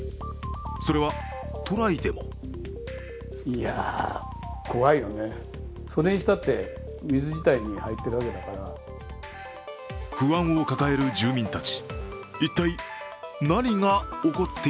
それは都内でも不安を抱える住民たち。